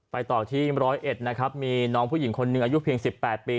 ไปต่อก็ที่๑๐๑มีน้องผู้หญิงคนหนึ่งอายุเพียง๑๘ปี